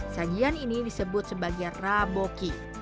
sajian ini disebut sebagai raboki